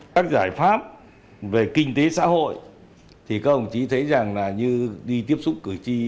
các giải pháp về kinh tế xã hội thì các ông chí thấy rằng là như đi tiếp xúc cử tri